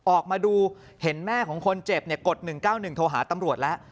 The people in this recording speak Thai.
ออกมาดูเห็นแม่ของคนเจ็บกด๑๙๑โทรหาตำรวจแล้ว